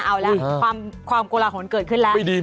เอาละความโกลาหลเกิดขึ้นแล้ว